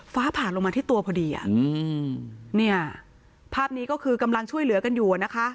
ฟ้าผ่าลงมาที่ตัวพอดีภาพนี้ก็คือกำลังช่วยเหลือกันอยู่นะคะ